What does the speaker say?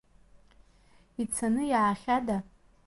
Ицаны иаахьада!